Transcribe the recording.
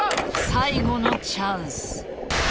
最後のチャンス。